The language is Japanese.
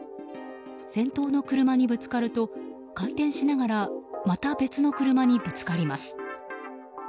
先頭の車にぶつかると回転しながらまた別の車にぶつかります。